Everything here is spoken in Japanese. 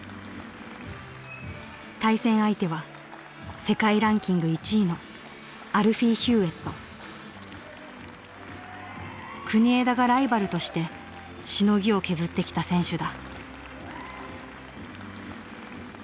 対戦相手は世界ランキング１位の国枝がライバルとしてしのぎを削ってきた選手だ。